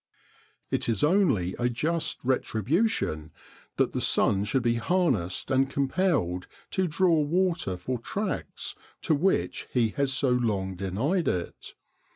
It is only a just retribution that the sun should be harnessed and compelled to draw water for tracts to which he has so long denied it.